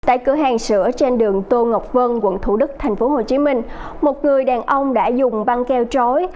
tại cửa hàng sữa trên đường tô ngọc vân quận thủ đức tp hcm một người đàn ông đã dùng băng keo trối